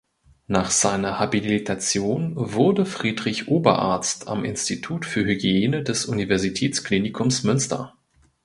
Nach seiner Habilitation wurde Friedrich Oberarzt am Institut für Hygiene des Universitätsklinikums Münster.